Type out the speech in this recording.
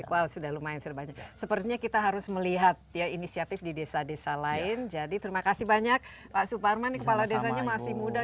wow sudah lumayan sepertinya kita harus melihat ya inisiatif di desa desa lain jadi terima kasih banyak pak suparman kepala desanya masih muda